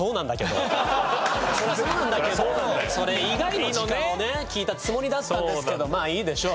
そりゃそうなんだけどそれ以外の時間をね聞いたつもりだったんですけどまあいいでしょう。